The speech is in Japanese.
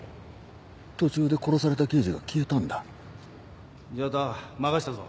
途中で殺された刑事が消えたんだじゃあとは任せたぞ